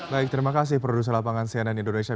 baik terima kasih produser lapangan cnn indonesia